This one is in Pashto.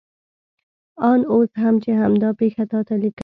آن اوس هم چې همدا پېښه تا ته لیکم.